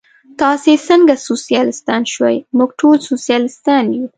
تاسې څنګه سوسیالیستان شوئ؟ موږ ټول سوسیالیستان یو.